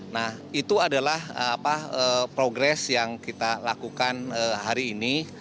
nah itu adalah progres yang kita lakukan hari ini